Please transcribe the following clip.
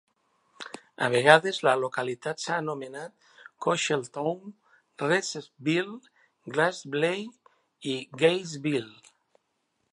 A vegades la localitat s'ha anomenat Cocheltown, Reeseville, Glassley i Gaysville.